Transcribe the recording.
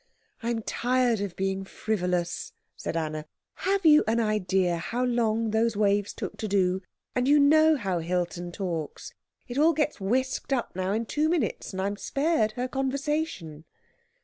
"I'm tired of being frivolous," said Anna. "Have you an idea how long those waves took to do? And you know how Hilton talks. It all gets whisked up now in two minutes, and I'm spared her conversation."